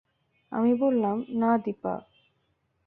আমি বললাম, না দিপা।